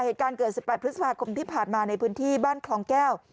เหตุการณ์เกิด๑๘พฤษภาคมที่ผ่านมาในพื้นที่บ้านคลองแก้ว